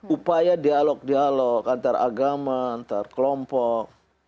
upaya dialog dialog antara agama antara kelompok